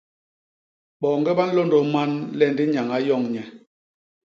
Boñge ba nlôndôs man le ndi nyañ a yoñ nye.